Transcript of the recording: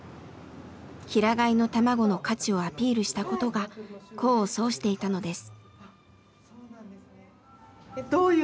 平飼いの卵の価値をアピールしたことが功を奏していたのです。